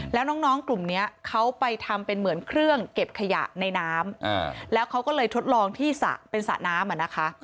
แล้วน้องกลุ่มนี้เขาไปทำเป็นเหมือนเครื่องเก็บขยะในน้ำแล้วเขาก็เลยทดลองที่เป็นสระน้ำอ่ะนะคะ